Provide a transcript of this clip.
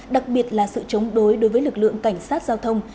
đặc biệt là sự chống đối đối với lực lượng cảnh sát giao thông